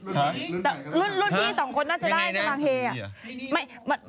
แต่รุ่นพี่สองคนน่าจะได้สลาเฮอ่ะ